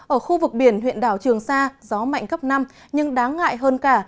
ở khu vực biển huyện đảo trường sa gió mạnh cấp năm nhưng đáng ngại hơn cả